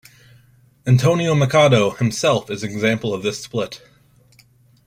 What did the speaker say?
Antonio Machado himself is an example of this split.